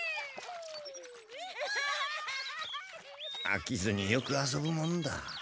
あきずによく遊ぶもんだ。